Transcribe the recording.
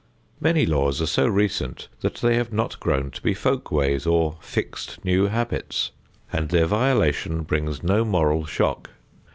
Many laws are so recent that they have not grown to be folk ways or fixed new habits, and their violation brings no moral shock.